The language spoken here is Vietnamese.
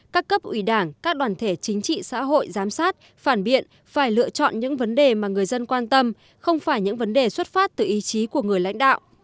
các cấp ủy đảng các đoàn thể chính trị xã hội giám sát phản biện phải lựa chọn những vấn đề mà người dân quan tâm không phải những vấn đề xuất phát từ ý chí của người lãnh đạo